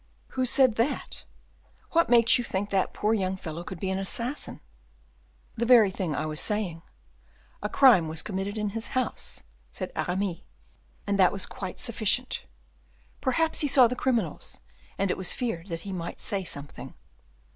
"Who said that? What makes you think that poor young fellow could be an assassin?" "The very thing I was saying. A crime was committed in his house," said Aramis, "and that was quite sufficient; perhaps he saw the criminals, and it was feared that he might say something."